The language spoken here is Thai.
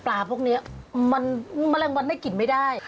ปลาพวกนี้มันมะแรงวันได้กินไม่ได้